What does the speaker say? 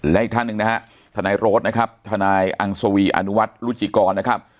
และอีกท่านหนึ่งนะฮะทนายโรดนะครับทนายอังสวีอนุวัฒน์รุจิกรนะครับ